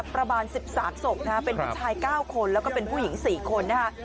ประมาณสิบสามศพนะฮะเป็นผู้ชายเก้าคนแล้วก็เป็นผู้หญิงสี่คนนะฮะ